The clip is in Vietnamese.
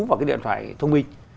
vào cái điện thoại thông minh